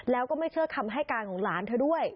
แล้วก็ไม่เชื่อคำให้การของหลานเธอด้วย